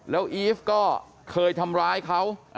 แล้วอีฟก็เคยทำร้ายเขา